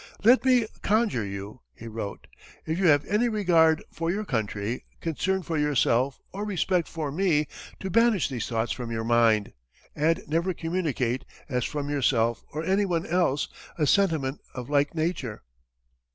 "Let me conjure you," he wrote, "if you have any regard for your country, concern for yourself, or respect for me, to banish these thoughts from your mind, and never communicate, as from yourself or any one else, a sentiment of like nature."